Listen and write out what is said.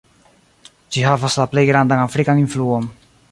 Ĝi havas la plej grandan afrikan influon.